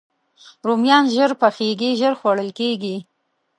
رومیان ژر پخېږي، ژر خوړل کېږي